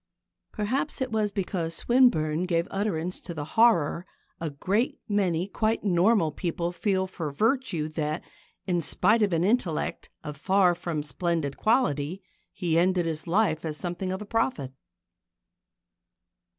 Perhaps it was because Swinburne gave utterance to the horror a great many quite normal people feel for virtue that, in spite of an intellect of far from splendid quality, he ended his life as something of a prophet.